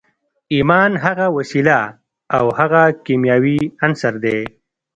ایمان هغه وسیله او هغه کیمیاوي عنصر دی